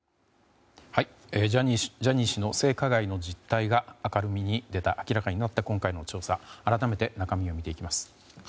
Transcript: ジャニー氏の性加害の実態が明るみに出た今回の調査改めて中身を見ていきます。